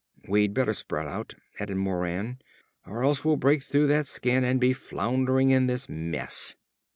"We'd better spread out," added Moran, "or else we'll break through that skin and be floundering in this mess."